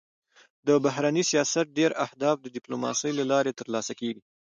د بهرني سیاست ډېری اهداف د ډيپلوماسی له لارې تر لاسه کېږي.